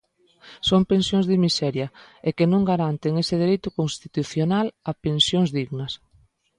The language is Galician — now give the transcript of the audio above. Son pensións de miseria e que non garanten ese dereito constitucional a pensións dignas.